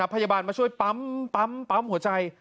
พยาบาลมาช่วยบ้ำ